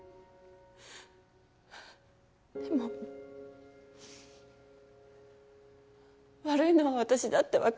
でも悪いのは私だって分かってた。